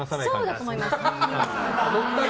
そうだと思います。